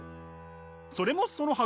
それもそのはず。